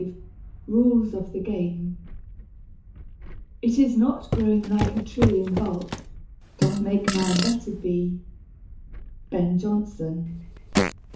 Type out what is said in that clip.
V RULES OF THE GAME It is not growing like a tree In bulk, doth make man better be. BEN JONSON.